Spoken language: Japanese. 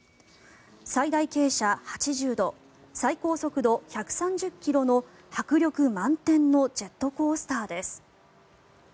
最大傾斜８０度最高速度１３０ｋｍの迫力満点のジェットコースターです。